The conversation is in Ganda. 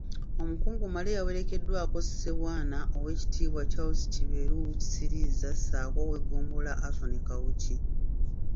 Omukungu Male yawerekeddwako Ssebwana, Oweekitiibwa Charles Kiberu Kisiriiza ssaako ow’eggombolola Anthony Kawuki.